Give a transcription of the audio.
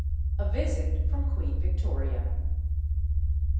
A VISIT FROM QUEEN VICTORIA.